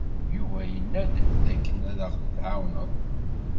Yuba yenna-d dakken ad aɣ-tɛawneḍ.